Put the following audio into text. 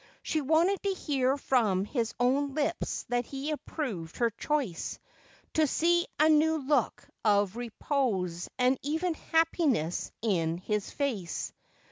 She wanted to hear from his own lips that he approved her choice, to see a new look of re pose and even happiness in his face.